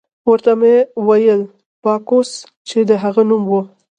ورته ومې ویل: باکوس، چې د هغه نوم وو.